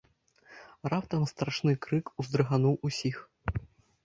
Раптам страшны крык уздрыгануў усіх.